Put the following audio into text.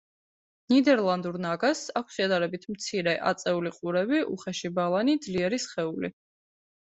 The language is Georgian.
ნიდერლანდურ ნაგაზს აქვს შედარებით მცირე, აწეული ყურები, უხეში ბალანი, ძლიერი სხეული.